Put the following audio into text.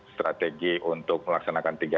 strategi untuk melaksanakan